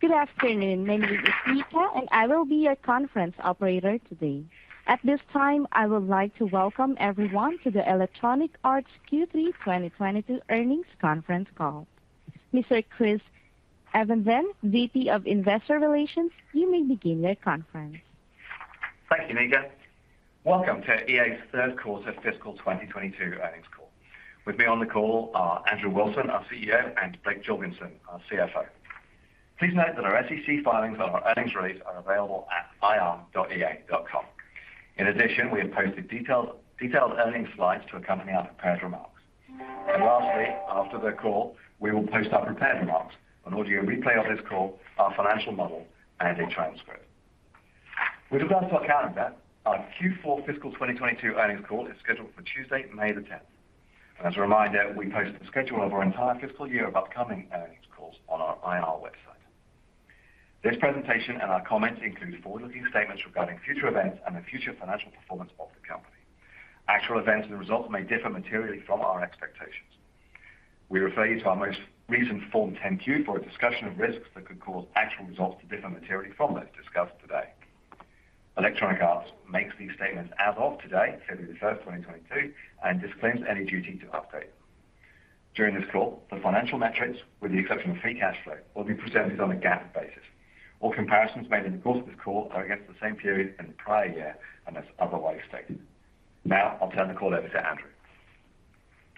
Good afternoon. My name is Nika, and I will be your conference operator today. At this time, I would like to welcome everyone to the Electronic Arts Q3 2022 Earnings Conference Call. Mr. Chris Evenden, VP of Investor Relations, you may begin the conference. Thank you, Nika. Welcome to EA's Third Quarter Fiscal 2022 Earnings Call. With me on the call are Andrew Wilson, our CEO, and Blake Jorgensen, our CFO. Please note that our SEC filings on our earnings release are available at ir.ea.com. In addition, we have posted detailed earnings slides to accompany our prepared remarks. Lastly, after the call, we will post our prepared remarks on audio replay of this call, our financial model, and a transcript. With regard to our calendar, our Q4 fiscal 2022 earnings call is scheduled for Tuesday, May the 10th. As a reminder, we posted the schedule of our entire fiscal year of upcoming earnings calls on our IR website. This presentation and our comments include forward-looking statements regarding future events and the future financial performance of the company. Actual events and results may differ materially from our expectations. We refer you to our most recent Form 10-Q for a discussion of risks that could cause actual results to differ materially from those discussed today. Electronic Arts makes these statements as of today, February 1, 2022, and disclaims any duty to update. During this call, the financial metrics with the exception of free cash flow, will be presented on a GAAP basis. All comparisons made in the course of this call are against the same period in the prior year unless otherwise stated. Now I'll turn the call over to Andrew.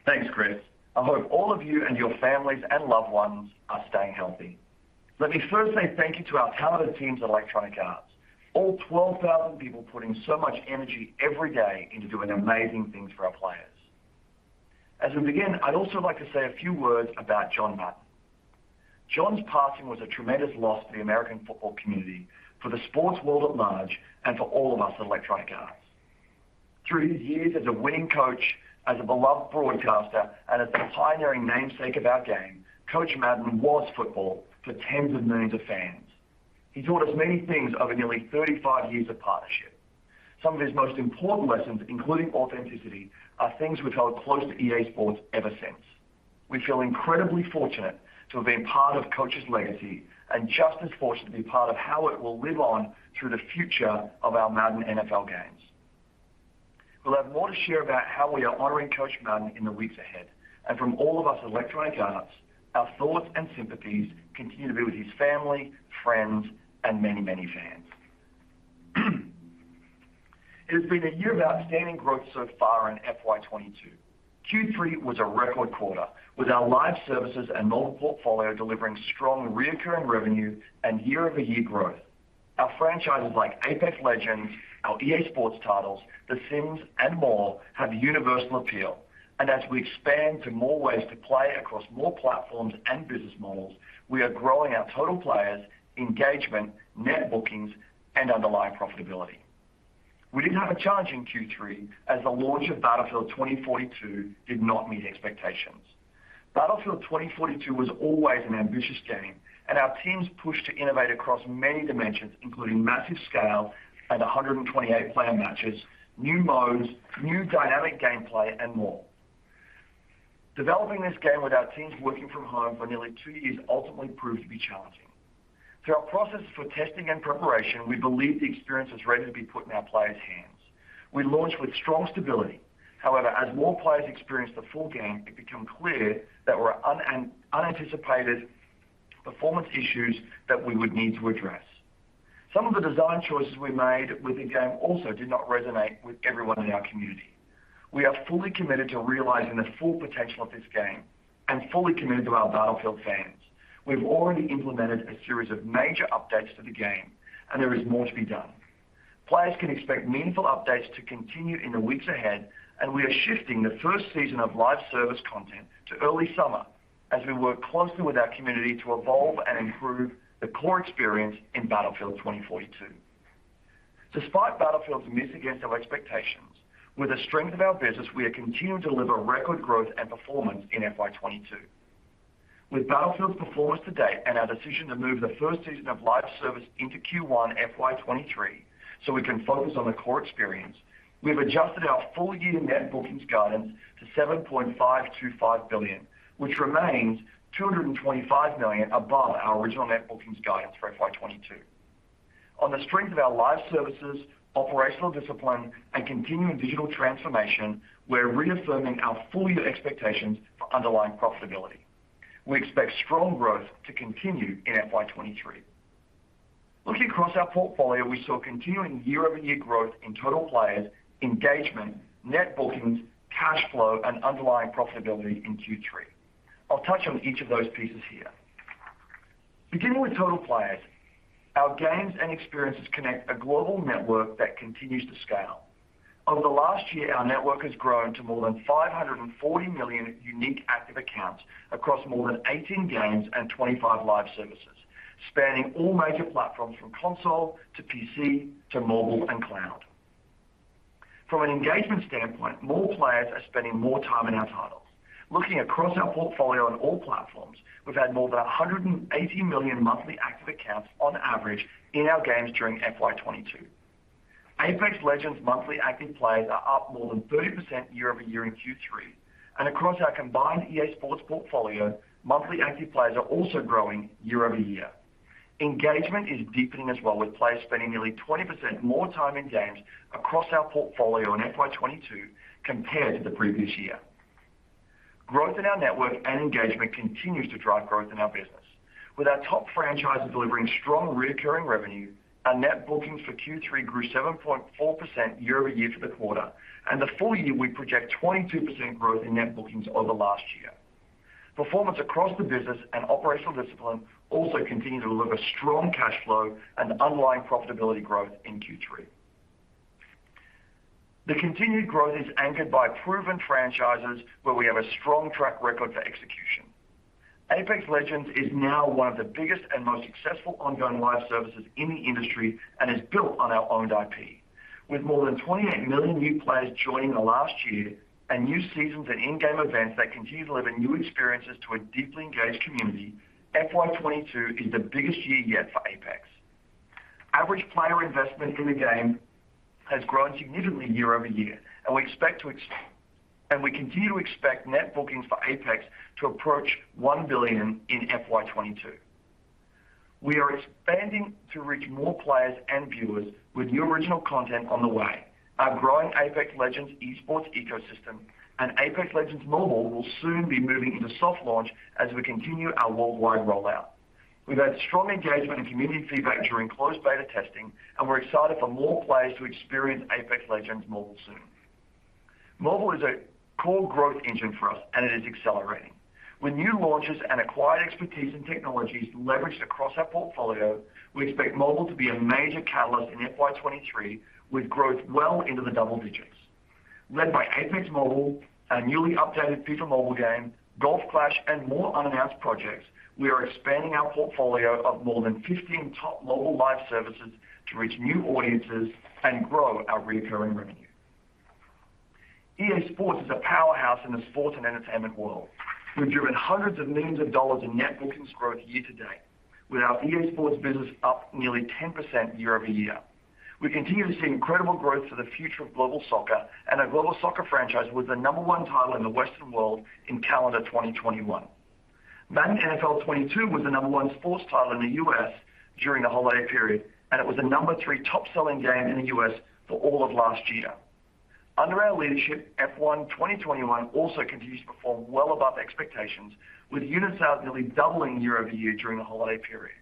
Thanks, Chris. I hope all of you and your families and loved ones are staying healthy. Let me first say thank you to our talented teams at Electronic Arts. All 12,000 people putting so much energy every day into doing amazing things for our players. As we begin, I'd also like to say a few words about John Madden. John's passing was a tremendous loss to the American football community, for the sports world at large, and for all of us at Electronic Arts. Through his years as a winning coach, as a beloved broadcaster, and as the pioneering namesake of our game, Coach Madden was football for tens of millions of fans. He taught us many things over nearly 35 years of partnership. Some of his most important lessons, including authenticity, are things we've held close to EA SPORTS ever since. We feel incredibly fortunate to have been part of Coach's legacy and just as fortunate to be part of how it will live on through the future of our Madden NFL games. We'll have more to share about how we are honoring Coach Madden in the weeks ahead. From all of us at Electronic Arts, our thoughts and sympathies continue to be with his family, friends, and many, many fans. It has been a year of outstanding growth so far in FY 2022. Q3 was a record quarter with our live services and mobile portfolio delivering strong recurring revenue and year-over-year growth. Our franchises like Apex Legends, our EA SPORTS titles, The Sims and more have universal appeal. As we expand to more ways to play across more platforms and business models, we are growing our total players, engagement, net bookings, and underlying profitability. We did have a challenge in Q3 as the launch of Battlefield 2042 did not meet expectations. Battlefield 2042 was always an ambitious game, and our teams pushed to innovate across many dimensions, including massive scale at 128-player matches, new modes, new dynamic gameplay, and more. Developing this game with our teams working from home for nearly two years ultimately proved to be challenging. Through our processes for testing and preparation, we believe the experience is ready to be put in our players' hands. We launched with strong stability. However, as more players experienced the full game, it became clear there were unanticipated performance issues that we would need to address. Some of the design choices we made with the game also did not resonate with everyone in our community. We are fully committed to realizing the full potential of this game and fully committed to our Battlefield fans. We've already implemented a series of major updates to the game, and there is more to be done. Players can expect meaningful updates to continue in the weeks ahead, and we are shifting the first season of live service content to early summer as we work closely with our community to evolve and improve the core experience in Battlefield 2042. Despite Battlefield's miss against our expectations, with the strength of our business, we are continuing to deliver record growth and performance in FY 2022. With Battlefield's performance to date and our decision to move the first season of live service into Q1 FY 2023, so we can focus on the core experience, we've adjusted our full-year net bookings guidance to $7.525 billion, which remains $225 million above our original net bookings guidance for FY 2022. On the strength of our live services, operational discipline, and continuing digital transformation, we're reaffirming our full-year expectations for underlying profitability. We expect strong growth to continue in FY 2023. Looking across our portfolio, we saw continuing year-over-year growth in total players, engagement, net bookings, cash flow, and underlying profitability in Q3. I'll touch on each of those pieces here. Beginning with total players, our games and experiences connect a global network that continues to scale. Over the last year, our network has grown to more than 540 million unique active accounts across more than 18 games and 25 live services, spanning all major platforms from console to PC to mobile and cloud. From an engagement standpoint, more players are spending more time in our titles. Looking across our portfolio on all platforms, we've had more than 180 million monthly active accounts on average in our games during FY 2022. Apex Legends monthly active players are up more than 30% year-over-year in Q3. Across our combined EA SPORTS portfolio, monthly active players are also growing year-over-year. Engagement is deepening as well, with players spending nearly 20% more time in games across our portfolio in FY 2022 compared to the previous year. Growth in our network and engagement continues to drive growth in our business. With our top franchises delivering strong recurring revenue, our net bookings for Q3 grew 7.4% year-over-year for the quarter. The full year, we project 22% growth in net bookings over last year. Performance across the business and operational discipline also continue to deliver strong cash flow and underlying profitability growth in Q3. The continued growth is anchored by proven franchises where we have a strong track record for execution. Apex Legends is now one of the biggest and most successful ongoing live services in the industry and is built on our owned IP. With more than 28 million new players joining the last year and new seasons and in-game events that continue to deliver new experiences to a deeply engaged community, FY 2022 is the biggest year yet for Apex. Average player investment in the game has grown significantly year-over-year, and we continue to expect net bookings for Apex to approach $1 billion in FY 2022. We are expanding to reach more players and viewers with new original content on the way. Our growing Apex Legends esports ecosystem and Apex Legends Mobile will soon be moving into soft launch as we continue our worldwide rollout. We've had strong engagement and community feedback during closed beta testing, and we're excited for more players to experience Apex Legends Mobile soon. Mobile is a core growth engine for us, and it is accelerating. With new launches and acquired expertise and technologies leveraged across our portfolio, we expect mobile to be a major catalyst in FY 2023, with growth well into the double digits. Led by Apex Mobile, our newly updated FIFA Mobile game, Golf Clash, and more unannounced projects, we are expanding our portfolio of more than 15 top mobile live services to reach new audiences and grow our recurring revenue. EA SPORTS is a powerhouse in the sports and entertainment world. We've driven $hundreds of millions in net bookings growth year-to-date, with our EA SPORTS business up nearly 10% year-over-year. We continue to see incredible growth for the future of global soccer, and our Global Soccer franchise was the number one title in the Western world in calendar 2021. Madden NFL 22 was the number one sports title in the U.S. during the holiday period, and it was the number three top-selling game in the U.S. for all of last year. Under our leadership, F1 2021 also continues to perform well above expectations, with unit sales nearly doubling year-over-year during the holiday period.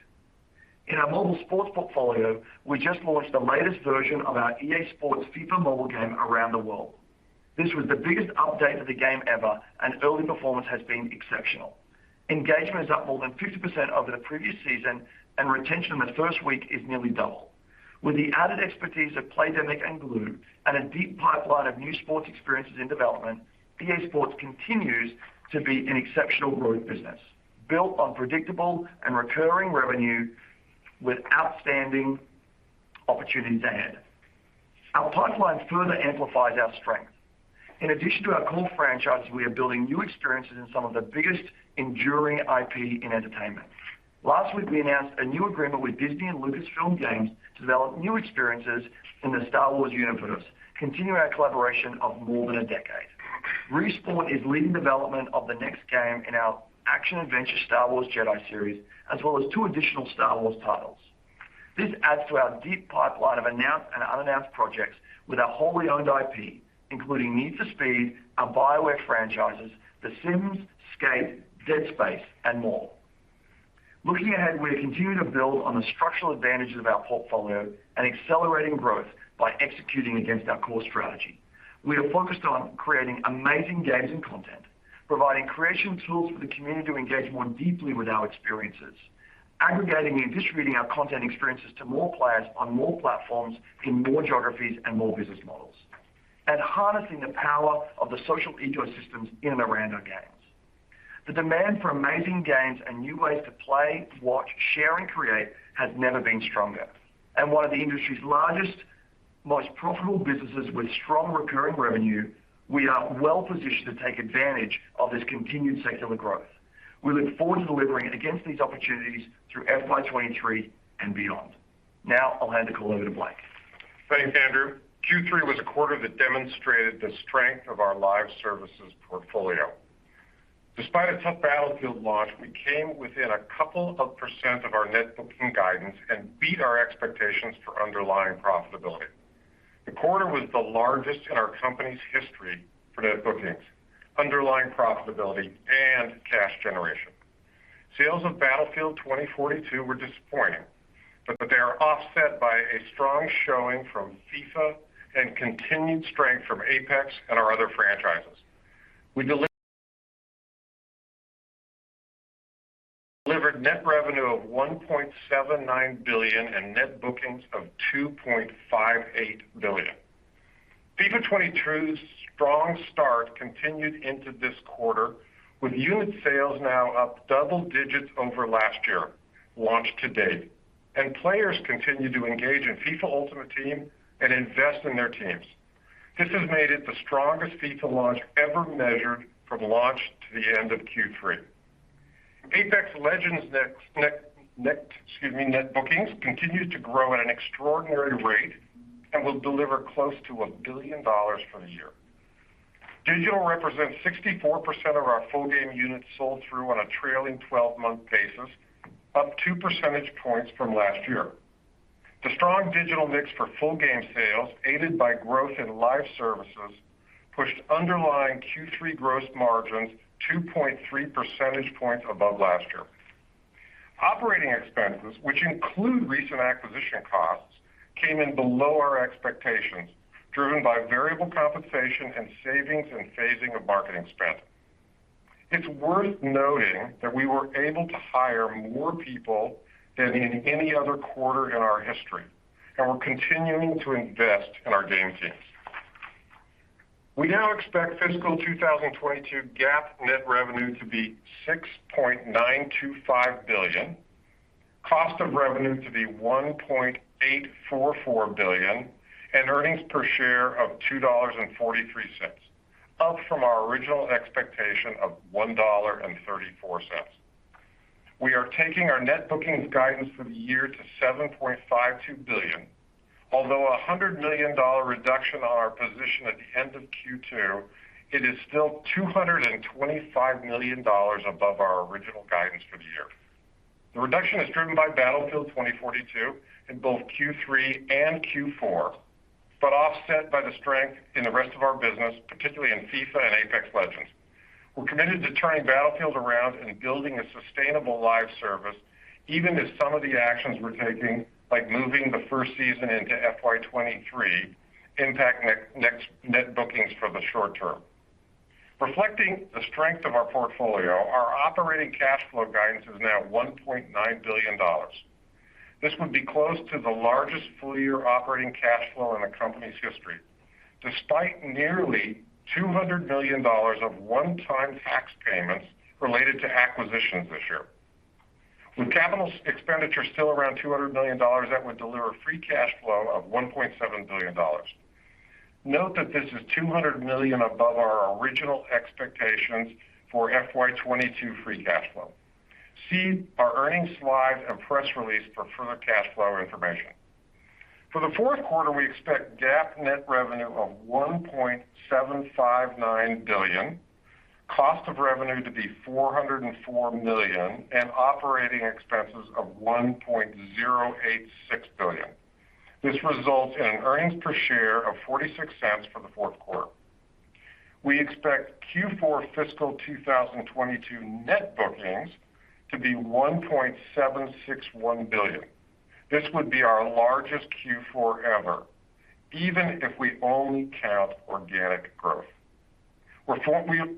In our Mobile Sports portfolio, we just launched the latest version of our EA SPORTS FIFA Mobile game around the world. This was the biggest update of the game ever, and early performance has been exceptional. Engagement is up more than 50% over the previous season, and retention in the first week is nearly double. With the added expertise of Playdemic and Glu and a deep pipeline of new sports experiences in development, EA SPORTS continues to be an exceptional growth business, built on predictable and recurring revenue with outstanding opportunities ahead. Our pipeline further amplifies our strength. In addition to our core franchises, we are building new experiences in some of the biggest enduring IP in entertainment. Last week, we announced a new agreement with Disney and Lucasfilm Games to develop new experiences in the Star Wars universe, continuing our collaboration of more than a decade. Respawn is leading development of the next game in our action-adventure Star Wars Jedi series, as well as two additional Star Wars titles. This adds to our deep pipeline of announced and unannounced projects with our wholly owned IP, including Need for Speed, our BioWare franchises, The Sims, Skate, Dead Space, and more. Looking ahead, we're continuing to build on the structural advantages of our portfolio and accelerating growth by executing against our core strategy. We are focused on creating amazing games and content, providing creation tools for the community to engage more deeply with our experiences, aggregating and distributing our content experiences to more players on more platforms in more geographies and more business models, and harnessing the power of the social ecosystems in and around our games. The demand for amazing games and new ways to play, watch, share, and create has never been stronger. One of the industry's largest, most profitable businesses with strong recurring revenue, we are well positioned to take advantage of this continued secular growth. We look forward to delivering against these opportunities through FY 2023 and beyond. Now I'll hand the call over to Blake. Thanks, Andrew. Q3 was a quarter that demonstrated the strength of our live services portfolio. Despite a tough Battlefield launch, we came within a couple of % of our net bookings guidance and beat our expectations for underlying profitability. The quarter was the largest in our company's history for net bookings, underlying profitability, and cash generation. Sales of Battlefield 2042 were disappointing, but they are offset by a strong showing from FIFA and continued strength from Apex and our other franchises. We delivered net revenue of $1.79 billion and net bookings of $2.58 billion. FIFA 22's strong start continued into this quarter, with unit sales now up double digits over last year-to-date. Players continue to engage in FIFA Ultimate Team and invest in their teams. This has made it the strongest FIFA launch ever measured from launch to the end of Q3. Apex Legends net bookings continued to grow at an extraordinary rate and will deliver close to $1 billion for the year. Digital represents 64% of our full game units sold through on a trailing twelve-month basis, up two percentage points from last year. The strong digital mix for full game sales, aided by growth in live services, pushed underlying Q3 gross margins 2.3 percentage points above last year. Operating expenses, which include recent acquisition costs, came in below our expectations, driven by variable compensation and savings and phasing of marketing spend. It's worth noting that we were able to hire more people than in any other quarter in our history, and we're continuing to invest in our game teams. We now expect fiscal 2022 GAAP net revenue to be $6.925 billion, cost of revenue to be $1.844 billion, and earnings per share of $2.43, up from our original expectation of $1.34. We are taking our net bookings guidance for the year to $7.52 billion. Although a $100 million reduction on our position at the end of Q2, it is still $225 million above our original guidance for the year. The reduction is driven by Battlefield 2042 in both Q3 and Q4, but offset by the strength in the rest of our business, particularly in FIFA and Apex Legends. We're committed to turning Battlefield around and building a sustainable live service, even if some of the actions we're taking, like moving the first season into FY 2023, impact net bookings for the short term. Reflecting the strength of our portfolio, our operating cash flow guidance is now $1.9 billion. This would be close to the largest full-year operating cash flow in the company's history, despite nearly $200 million of one-time tax payments related to acquisitions this year. With capital expenditures still around $200 million, that would deliver free cash flow of $1.7 billion. Note that this is $200 million above our original expectations for FY 2022 free cash flow. See our earnings slide and press release for further cash flow information. For the fourth quarter, we expect GAAP net revenue of $1.759 billion, cost of revenue to be $404 million, and operating expenses of $1.086 billion. This results in earnings per share of $0.46 for the fourth quarter. We expect Q4 fiscal 2022 net bookings to be $1.761 billion. This would be our largest Q4 ever, even if we only count organic growth. We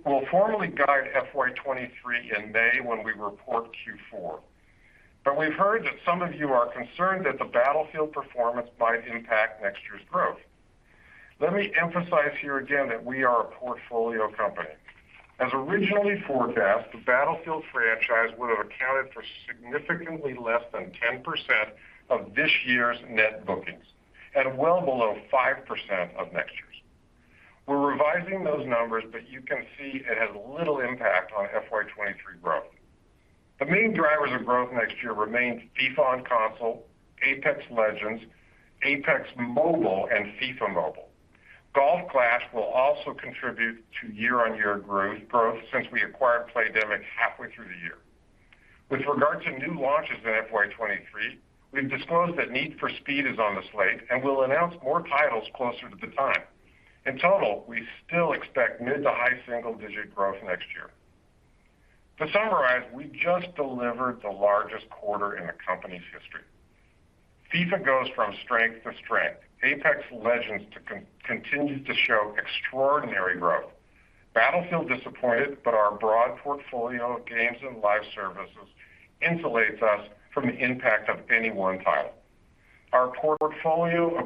will formally guide FY 2023 in May when we report Q4. We've heard that some of you are concerned that the Battlefield performance might impact next year's growth. Let me emphasize here again that we are a portfolio company. As originally forecast, the Battlefield franchise would have accounted for significantly less than 10% of this year's net bookings and well below 5% of next year's. We're revising those numbers, but you can see it has little impact on FY 2023 growth. The main drivers of growth next year remains FIFA on console, Apex Legends, Apex Mobile, and FIFA Mobile. Golf Clash will also contribute to year-on-year growth since we acquired Playdemic halfway through the year. With regard to new launches in FY 2023, we've disclosed that Need for Speed is on the slate, and we'll announce more titles closer to the time. In total, we still expect mid to high single-digit growth next year. To summarize, we just delivered the largest quarter in the company's history. FIFA goes from strength to strength. Apex Legends continues to show extraordinary growth. Battlefield disappointed, but our broad portfolio of games and live services insulates us from the impact of any one title. Our portfolio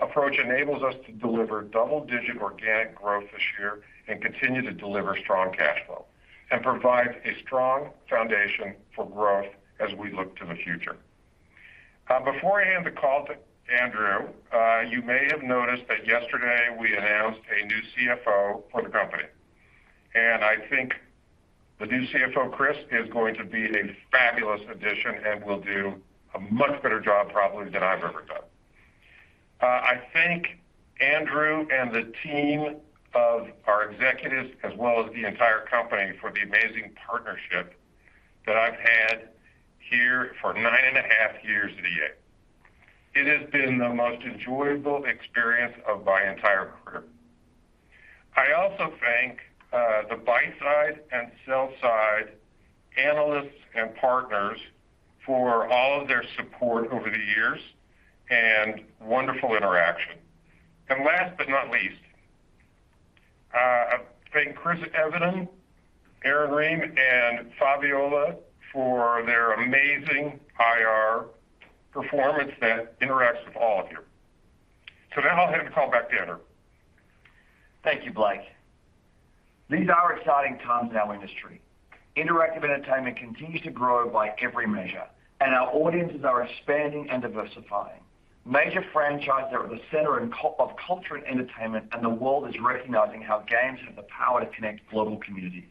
approach enables us to deliver double-digit organic growth this year and continue to deliver strong cash flow and provide a strong foundation for growth as we look to the future. Before I hand the call to Andrew, you may have noticed that yesterday we announced a new CFO for the company. I think the new CFO, Chris, is going to be a fabulous addition and will do a much better job probably than I've ever done. I thank Andrew and the team of our executives as well as the entire company for the amazing partnership that I've had here for nine and a half years today. It has been the most enjoyable experience of my entire career. I also thank the buy-side and sell-side analysts and partners for all of their support over the years and wonderful interaction. Last but not least, I thank Chris Evenden, Erin Rheaume, and Fabiola for their amazing IR performance that interacts with all of you. Now I'll hand the call back to Andrew. Thank you, Blake. These are exciting times in our industry. Interactive entertainment continues to grow by every measure, and our audiences are expanding and diversifying. Major franchises are at the center of culture and entertainment, and the world is recognizing how games have the power to connect global communities.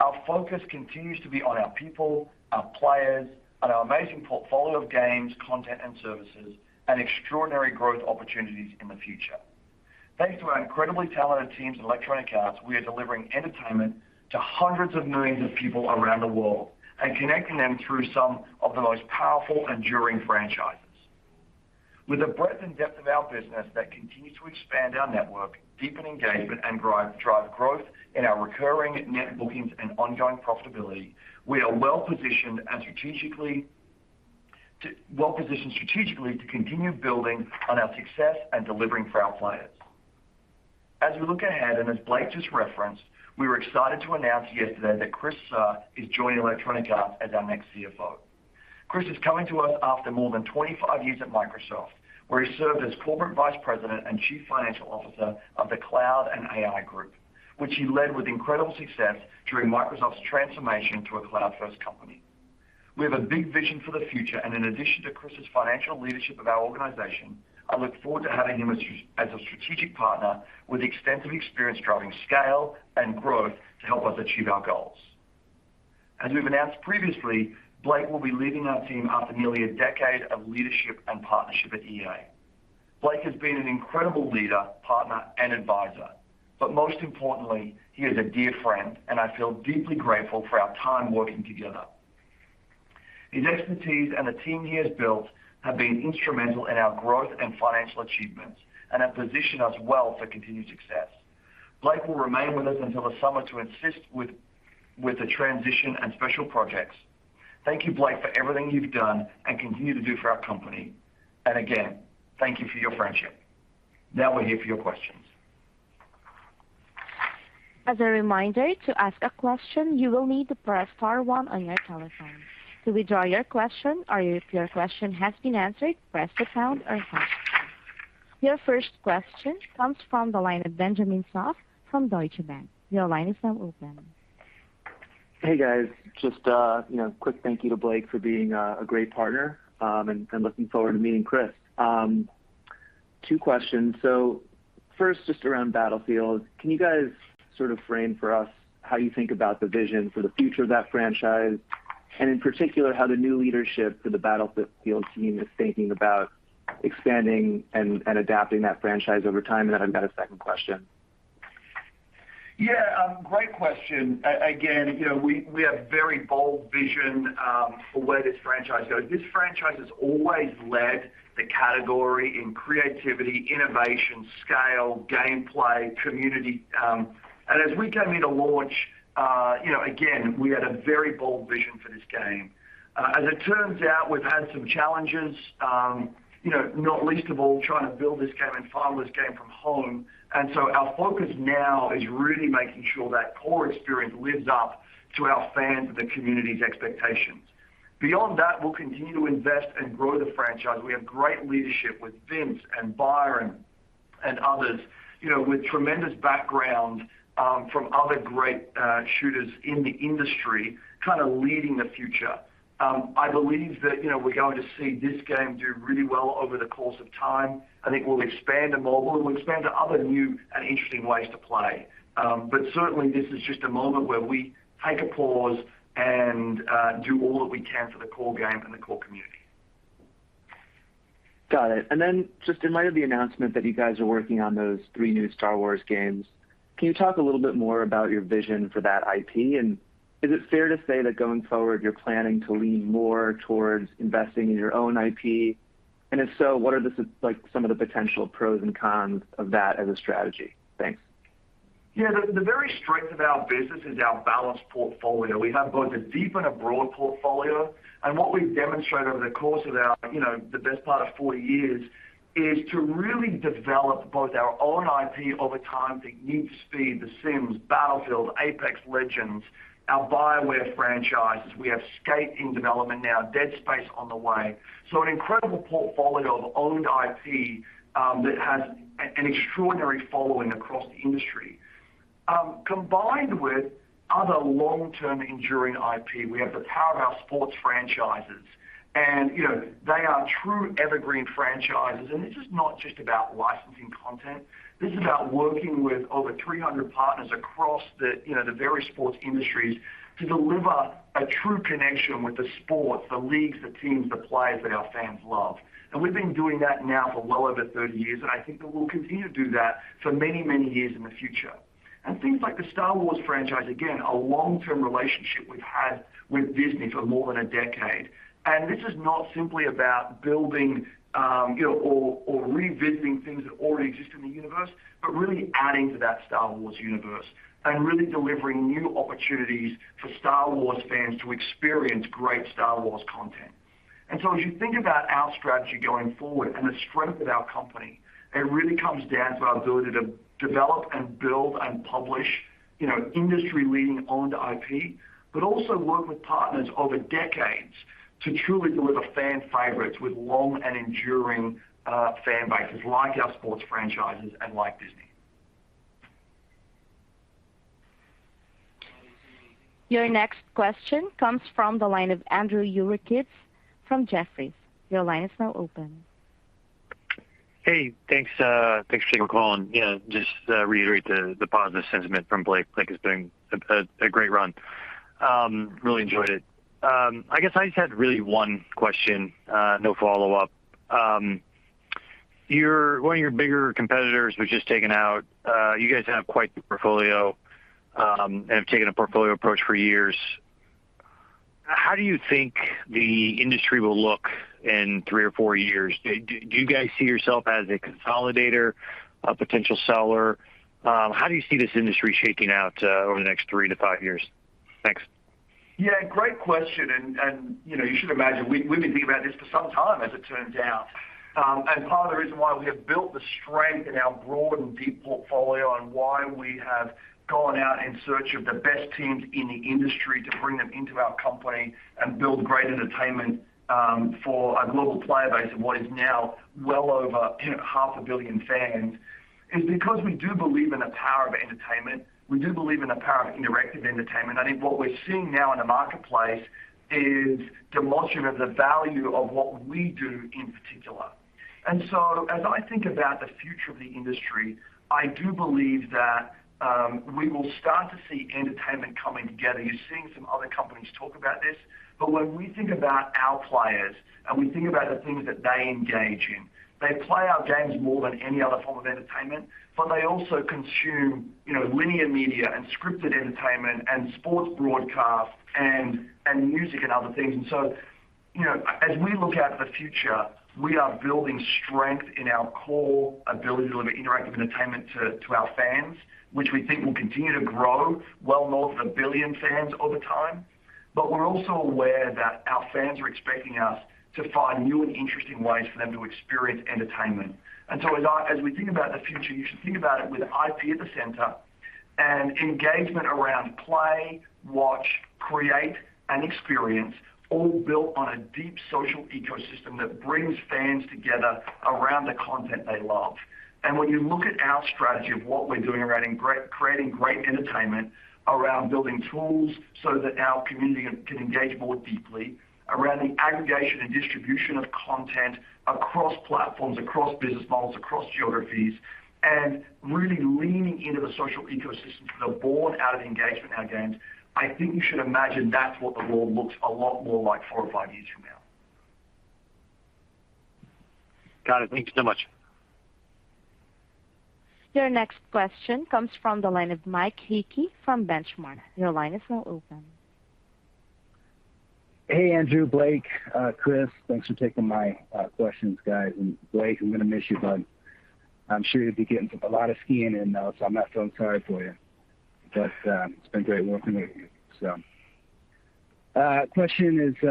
Our focus continues to be on our people, our players, on our amazing portfolio of games, content, and services, and extraordinary growth opportunities in the future. Thanks to our incredibly talented teams at Electronic Arts, we are delivering entertainment to hundreds of millions of people around the world and connecting them through some of the most powerful, enduring franchises. With the breadth and depth of our business that continues to expand our network, deepen engagement, and drive growth in our recurring net bookings and ongoing profitability, we are well-positioned strategically to continue building on our success and delivering for our players. As we look ahead, and as Blake just referenced, we were excited to announce yesterday that Chris Suh is joining Electronic Arts as our next CFO. Chris is coming to us after more than 25 years at Microsoft, where he served as Corporate Vice President and Chief Financial Officer of the Cloud and AI Group, which he led with incredible success during Microsoft's transformation to a cloud-first company. We have a big vision for the future, and in addition to Chris's financial leadership of our organization, I look forward to having him as a strategic partner with extensive experience driving scale and growth to help us achieve our goals. As we've announced previously, Blake will be leaving our team after nearly a decade of leadership and partnership at EA. Blake has been an incredible leader, partner, and advisor, but most importantly, he is a dear friend, and I feel deeply grateful for our time working together. His expertise and the team he has built have been instrumental in our growth and financial achievements and have positioned us well for continued success. Blake will remain with us until the summer to assist with the transition and special projects. Thank you, Blake, for everything you've done and continue to do for our company. Again, thank you for your friendship. Now we're here for your questions. As a reminder, to ask a question, you will need to press star one on your telephone. To withdraw your question or if your question has been answered, press the pound or hash sign. Your first question comes from the line of Benjamin Soff from Deutsche Bank. Your line is now open. Hey, guys. Just, you know, quick thank you to Blake for being a great partner, and looking forward to meeting Chris. Two questions. First, just around Battlefield, can you guys sort of frame for us how you think about the vision for the future of that franchise, and in particular, how the new leadership for the Battlefield team is thinking about expanding and adapting that franchise over time? I've got a second question. Yeah, great question. Again, you know, we have very bold vision for where this franchise goes. This franchise has always led the category in creativity, innovation, scale, gameplay, community, and as we came into launch, you know, again, we had a very bold vision for this game. As it turns out, we've had some challenges, you know, not least of all trying to build this game and ship this game from home. Our focus now is really making sure that core experience lives up to our fans and the community's expectations. Beyond that, we'll continue to invest and grow the franchise. We have great leadership with Vince and Byron and others, you know, with tremendous background from other great shooters in the industry kind of leading the future. I believe that, you know, we're going to see this game do really well over the course of time. I think we'll expand to mobile and we'll expand to other new and interesting ways to play. Certainly this is just a moment where we take a pause and do all that we can for the core game and the core community. Got it. Just in light of the announcement that you guys are working on those three new Star Wars games, can you talk a little bit more about your vision for that IP? Is it fair to say that going forward, you're planning to lean more towards investing in your own IP? If so, what are some of the potential pros and cons of that as a strategy? Thanks. Yeah. The very strength of our business is our balanced portfolio. We have both a deep and a broad portfolio. What we've demonstrated over the course of our, you know, the best part of 40 years is to really develop both our own IP over time, the Need for Speed, The Sims, Battlefield, Apex Legends, our BioWare franchises. We have Skate in development now, Dead Space on the way. An incredible portfolio of owned IP that has an extraordinary following across the industry. Combined with other long-term enduring IP, we have the powerhouse sports franchises. You know, they are true evergreen franchises, and this is not just about licensing content. This is about working with over 300 partners across the, you know, the various sports industries to deliver a true connection with the sports, the leagues, the teams, the players that our fans love. We've been doing that now for well over 30 years, and I think that we'll continue to do that for many, many years in the future. Things like the Star Wars franchise, again, a long-term relationship we've had with Disney for more than a decade. This is not simply about building, you know, or revisiting things that already exist in the universe, but really adding to that Star Wars universe and really delivering new opportunities for Star Wars fans to experience great Star Wars content. As you think about our strategy going forward and the strength of our company, it really comes down to our ability to develop and build and publish, you know, industry-leading owned IP, but also work with partners over decades to truly deliver fan favorites with long and enduring fan bases like our sports franchises and like Disney. Your next question comes from the line of Andrew Uerkwitz from Jefferies. Your line is now open. Hey, thanks. Thanks for taking my call. Yeah, just to reiterate the positive sentiment from Blake. Blake is doing a great run. Really enjoyed it. I guess I just had really one question, no follow-up. One of your bigger competitors was just taken out. You guys have quite the portfolio and have taken a portfolio approach for years. How do you think the industry will look in three or four years? Do you guys see yourself as a consolidator, a potential seller? How do you see this industry shaking out over the next three to five years? Thanks. Yeah, great question. You know, you should imagine we've been thinking about this for some time as it turns out. Part of the reason why we have built the strength in our broad and deep portfolio and why we have gone out in search of the best teams in the industry to bring them into our company and build great entertainment for a global player base of what is now well over, you know, half a billion fans is because we do believe in the power of entertainment. We do believe in the power of interactive entertainment. I think what we're seeing now in the marketplace is demolition of the value of what we do in particular. As I think about the future of the industry, I do believe that we will start to see entertainment coming together. You're seeing some other companies talk about this. When we think about our players and we think about the things that they engage in, they play our games more than any other form of entertainment, but they also consume, you know, linear media and scripted entertainment and sports broadcasts and music and other things. You know, as we look out to the future, we are building strength in our core ability to deliver interactive entertainment to our fans, which we think will continue to grow well north of 1 billion fans over time. We're also aware that our fans are expecting us to find new and interesting ways for them to experience entertainment. As we think about the future, you should think about it with IP at the center and engagement around play, watch, create, and experience, all built on a deep social ecosystem that brings fans together around the content they love. When you look at our strategy of what we're doing around creating great entertainment, around building tools so that our community can engage more deeply, around the aggregation and distribution of content across platforms, across business models, across geographies, and really leaning into the social ecosystems that are born out of engagement in our games, I think you should imagine that's what the world looks a lot more like four or five years from now. Got it. Thank you so much. Your next question comes from the line of Mike Hickey from Benchmark. Your line is now open. Hey, Andrew, Blake, Chris. Thanks for taking my questions, guys. Blake, I'm gonna miss you, bud. I'm sure you'll be getting a lot of skiing in now, so I'm not feeling sorry for you. It's been great working with you. Question is,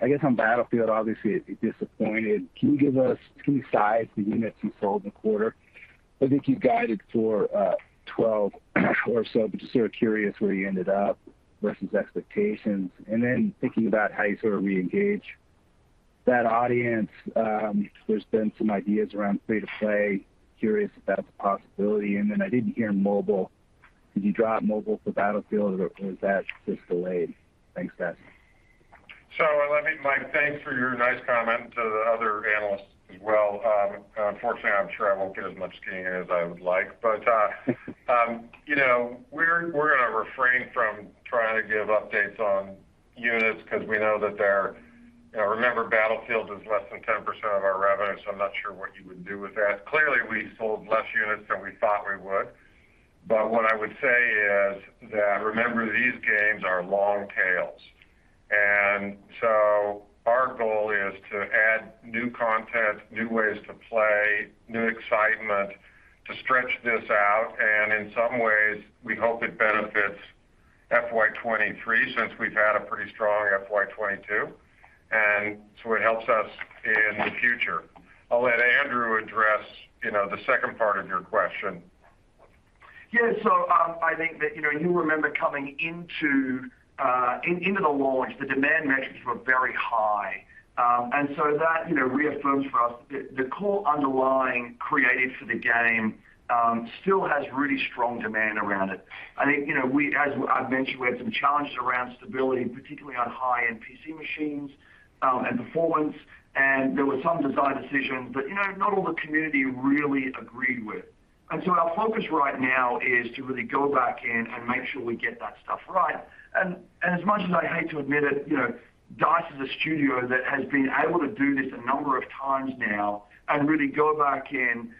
I guess on Battlefield, obviously disappointed. Can you give us any size of the units you sold in the quarter? I think you guided for 12 or so, but just sort of curious where you ended up versus expectations. Then thinking about how you sort of reengage that audience, there's been some ideas around free-to-play. Curious if that's a possibility. Then I didn't hear mobile. Did you drop mobile for Battlefield or is that just delayed? Thanks, guys. Mike, thanks for your nice comment to the other analysts as well. Unfortunately, I'm sure I won't get as much skiing in as I would like. We're gonna refrain from trying to give updates on units because we know that they're. Remember, Battlefield is less than 10% of our revenue, so I'm not sure what you would do with that. Clearly, we sold less units than we thought we would. What I would say is that remember these games are long tails. Our goal is to add new content, new ways to play, new excitement to stretch this out. In some ways, we hope it benefits FY 2023 since we've had a pretty strong FY 2022, and so it helps us in the future. I'll let Andrew address, you know, the second part of your question. Yeah. I think that, you know, you remember coming into into the launch, the demand metrics were very high. That reaffirms for us the core underlying creative for the game still has really strong demand around it. I think, you know, as I've mentioned, we had some challenges around stability, particularly on high-end PC machines, and performance. There were some design decisions that, you know, not all the community really agreed with. Our focus right now is to really go back in and make sure we get that stuff right. As much as I hate to admit it, you know, DICE is a studio that has been able to do this a number of times now and really go back in,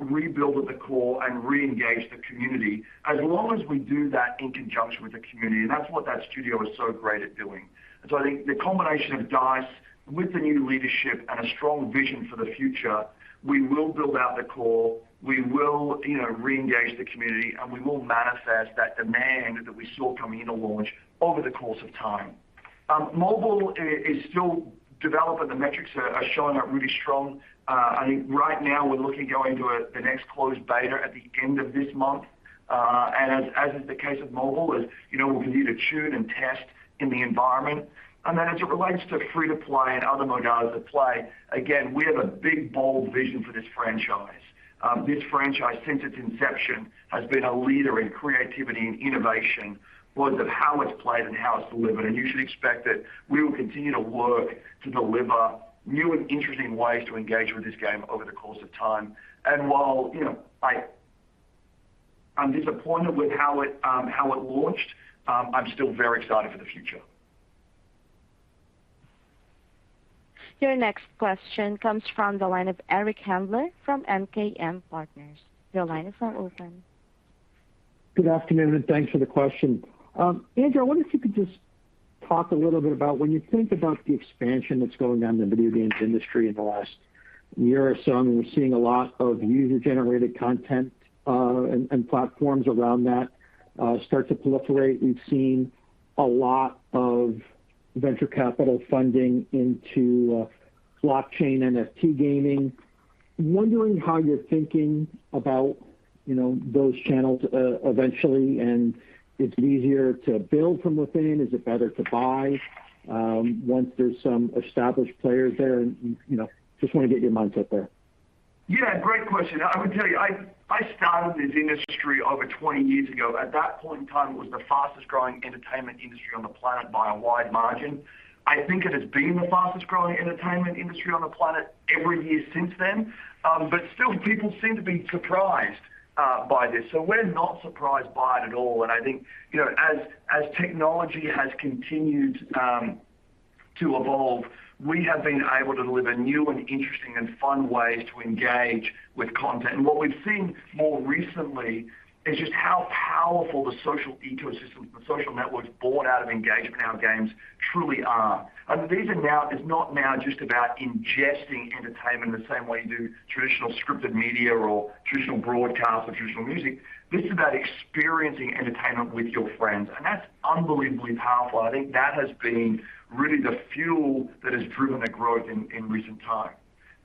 rebuild at the core and reengage the community. As long as we do that in conjunction with the community, that's what that studio is so great at doing. I think the combination of DICE with the new leadership and a strong vision for the future, we will build out the core, we will, you know, reengage the community, and we will manifest that demand that we saw coming into launch over the course of time. Mobile is still developing. The metrics are showing up really strong. I think right now we're looking to go into the next closed beta at the end of this month. As is the case with mobile, you know, we'll continue to tune and test in the environment. As it relates to free-to-play and other modalities of play, again, we have a big, bold vision for this franchise. This franchise, since its inception, has been a leader in creativity and innovation, both of how it's played and how it's delivered. You should expect that we will continue to work to deliver new and interesting ways to engage with this game over the course of time. While, you know, I'm disappointed with how it launched, I'm still very excited for the future. Your next question comes from the line of Eric Handler from MKM Partners. Your line is now open. Good afternoon, and thanks for the question. Andrew, I wonder if you could just talk a little bit about when you think about the expansion that's going on in the video games industry in the last year or so, and we're seeing a lot of user-generated content, and platforms around that start to proliferate. We've seen a lot of venture capital funding into blockchain NFT gaming. Wondering how you're thinking about, you know, those channels, eventually, and it's easier to build from within. Is it better to buy, once there's some established players there? You know, I just want to get your mindset there. Yeah, great question. I would tell you, I started this industry over 20 years ago. At that point in time, it was the fastest growing entertainment industry on the planet by a wide margin. I think it has been the fastest growing entertainment industry on the planet every year since then. But still, people seem to be surprised by this. We're not surprised by it at all. I think, you know, as technology has continued to evolve, we have been able to deliver new and interesting and fun ways to engage with content. What we've seen more recently is just how powerful the social ecosystems, the social networks born out of engagement in our games truly are. These are now not just about ingesting entertainment the same way you do traditional scripted media or traditional broadcast or traditional music. This is about experiencing entertainment with your friends, and that's unbelievably powerful. I think that has been really the fuel that has driven the growth in recent times.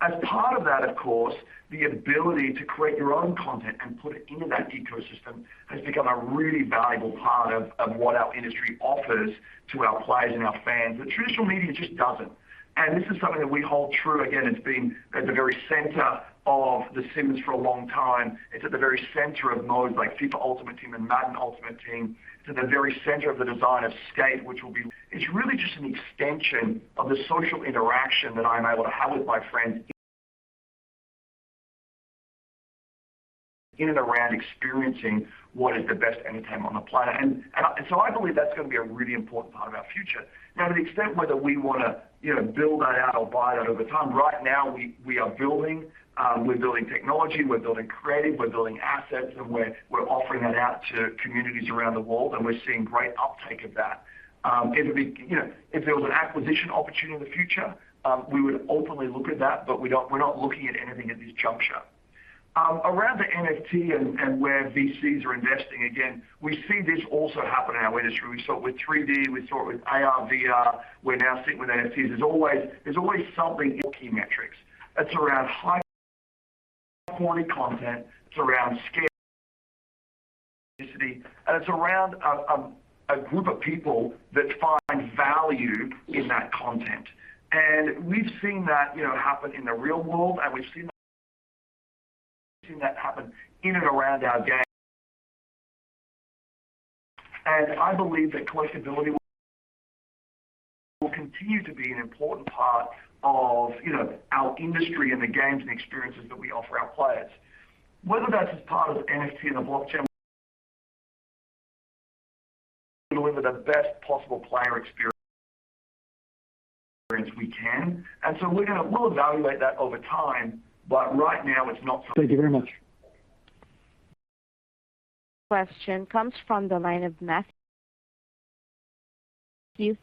As part of that, of course, the ability to create your own content and put it into that ecosystem has become a really valuable part of what our industry offers to our players and our fans. The traditional media just doesn't. This is something that we hold true. Again, it's been at the very center of The Sims for a long time. It's at the very center of modes like FIFA Ultimate Team and Madden Ultimate Team to the very center of the design of Skate, which will be. It's really just an extension of the social interaction that I'm able to have with my friends in and around experiencing what is the best entertainment on the planet. I believe that's going to be a really important part of our future. Now, to the extent whether we want to, you know, build that out or buy that over time, right now we are building. We're building technology, we're building creative, we're building assets, and we're offering that out to communities around the world, and we're seeing great uptake of that. It'll be. You know, if there was an acquisition opportunity in the future, we would openly look at that. But we're not looking at anything at this juncture. Around the NFT and where VCs are investing, again, we see this also happen in our industry. We saw it with 3D. We saw it with AR, VR. We're now seeing it with NFTs. There's always something. Key metrics. It's around high-quality content. It's around scale, and it's around a group of people that find value in that content. We've seen that, you know, happen in the real world, and we've seen that happen in and around our games. I believe that collectibility will continue to be an important part of, you know, our industry and the games and experiences that we offer our players. Whether that's as part of NFT and the blockchain to deliver the best possible player experience we can. We'll evaluate that over time, but right now it's not- Thank you very much. Question comes from the line of Matthew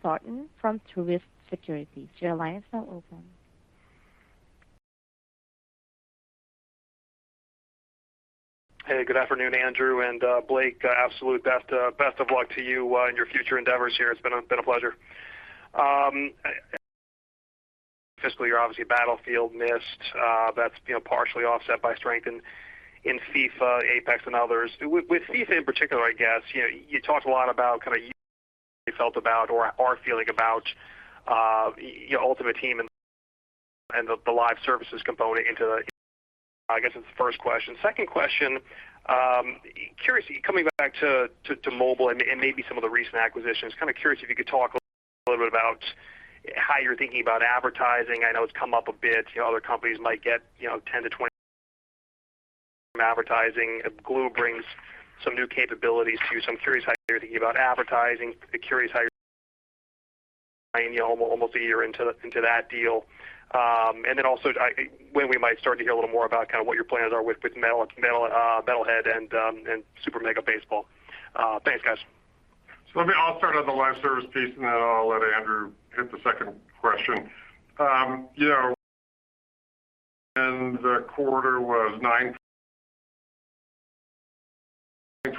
Thornton from Truist Securities. Your line is now open. Hey, good afternoon, Andrew and Blake. Absolute best of luck to you in your future endeavors here. It's been a pleasure. Fiscal year, obviously Battlefield missed. That's, you know, partially offset by strength in FIFA, Apex and others. With FIFA in particular, I guess, you know, you talked a lot about kind of you felt about or are feeling about your Ultimate Team and the live services component into the. I guess that's the first question. Second question, curious, coming back to mobile and maybe some of the recent acquisitions. Kind of curious if you could talk a little bit about how you're thinking about advertising. I know it's come up a bit. You know, other companies might get, you know, 10-20 from advertising. Glu brings some new capabilities to you, so I'm curious how you're thinking about advertising. Curious how you're almost a year into that deal. When we might start to hear a little more about kind of what your plans are with Metalhead and Super Mega Baseball. Thanks, guys. I'll start on the live service piece, and then I'll let Andrew hit the second question. You know, the quarter was 9%.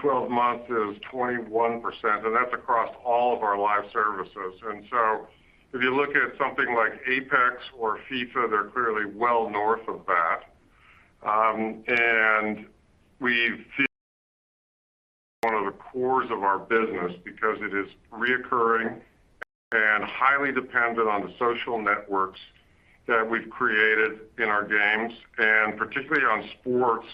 Twelve months is 21%, and that's across all of our live services. If you look at something like Apex or FIFA, they're clearly well north of that. We see one of the cores of our business because it is recurring and highly dependent on the social networks that we've created in our games, and particularly on sports.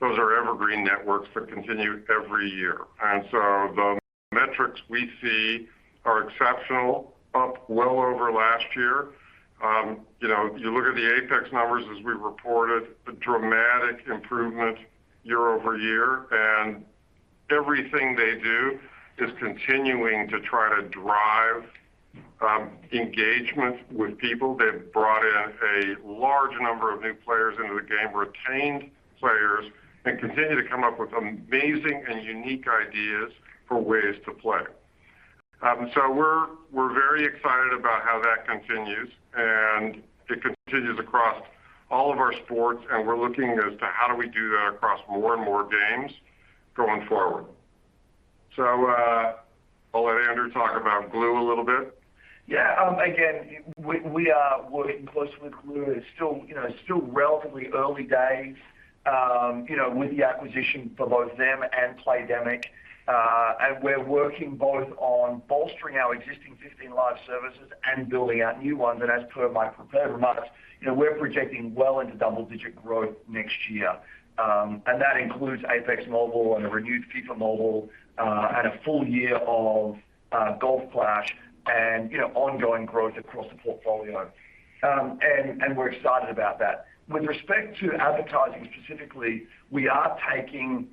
Those are evergreen networks that continue every year. The metrics we see are exceptional, up well over last year. You know, you look at the Apex numbers as we reported a dramatic improvement year-over-year, and everything they do is continuing to try to drive engagement with people. They've brought in a large number of new players into the game, retained players, and continue to come up with amazing and unique ideas for ways to play. We're very excited about how that continues, and it continues across all of our sports, and we're looking as to how do we do that across more and more games going forward. I'll let Andrew talk about Glu a little bit. Again, we are working closely with Glu. It's still, you know, still relatively early days with the acquisition for both them and Playdemic. We're working both on bolstering our existing 15 live services and building out new ones. As per my prepared remarks, you know, we're projecting well into double-digit growth next year. That includes Apex Mobile and the renewed FIFA Mobile, and a full year of Golf Clash and ongoing growth across the portfolio. We're excited about that. With respect to advertising specifically, we are taking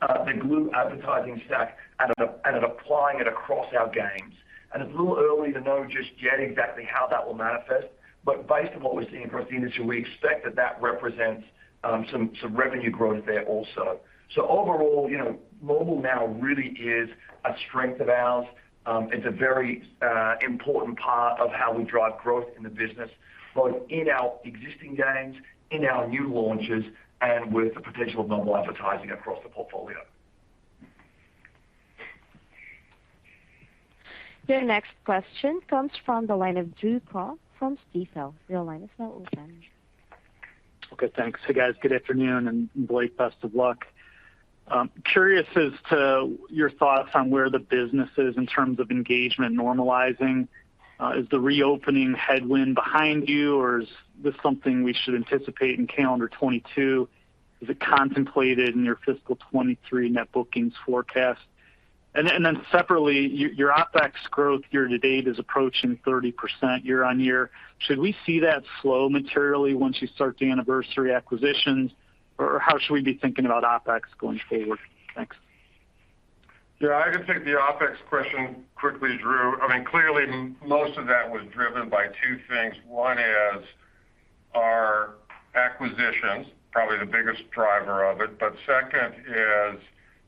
the Glu advertising stack and applying it across our games. It's a little early to know just yet exactly how that will manifest. Based on what we're seeing across the industry, we expect that represents some revenue growth there also. Overall, you know, mobile now really is a strength of ours. It's a very important part of how we drive growth in the business, both in our existing games, in our new launches, and with the potential of mobile advertising across the portfolio. Your next question comes from the line of Drew Crum from Stifel. Your line is now open. Okay, thanks. Hey, guys. Good afternoon. Blake, best of luck. Curious as to your thoughts on where the business is in terms of engagement normalizing. Is the reopening headwind behind you or is this something we should anticipate in calendar 2022? Is it contemplated in your fiscal 2023 net bookings forecast? Then, separately, your OpEx growth year to date is approaching 30% year-on-year. Should we see that slow materially once you start the anniversary acquisitions, or how should we be thinking about OpEx going forward? Thanks. Yeah. I can take the OpEx question quickly, Drew. I mean, clearly most of that was driven by two things. One is our acquisitions, probably the biggest driver of it, but second is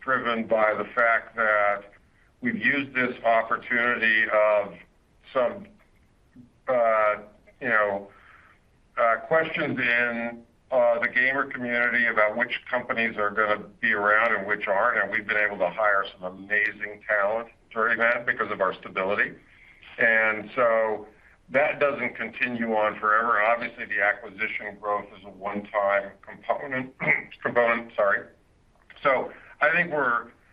driven by the fact that we've used this opportunity of some, you know, questions in the gamer community about which companies are gonna be around and which aren't, and we've been able to hire some amazing talent during that because of our stability. That doesn't continue on forever. Obviously, the acquisition growth is a one-time component, sorry.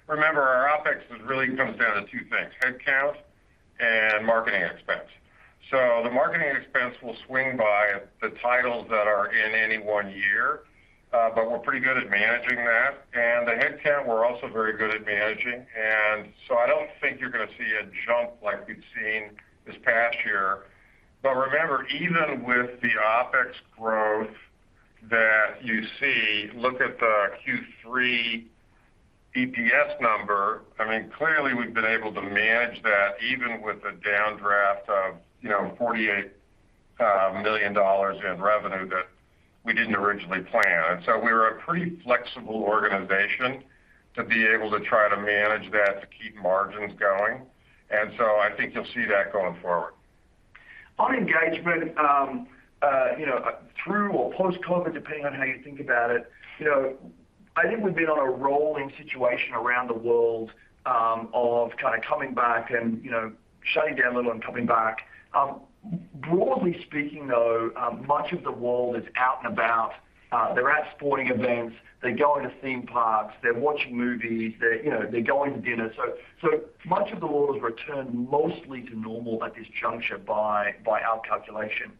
Remember our OpEx is really comes down to two things, headcount and marketing expense. The marketing expense will swing by the titles that are in any one year. We're pretty good at managing that. The headcount, we're also very good at managing. I don't think you're going to see a jump like we've seen this past year. Remember, even with the OpEx growth that you see, look at the Q3 EPS number. I mean, clearly we've been able to manage that even with the downdraft of, you know, $48 million in revenue that we didn't originally plan. We're a pretty flexible organization to be able to try to manage that to keep margins going. I think you'll see that going forward. On engagement, you know, through or post COVID, depending on how you think about it. You know, I think we've been on a rolling situation around the world, of kind of coming back and, you know, shutting down a little and coming back. Broadly speaking, though, much of the world is out and about. They're at sporting events, they're going to theme parks, they're watching movies, they're, you know, they're going to dinner. So much of the world has returned mostly to normal at this juncture by our calculation.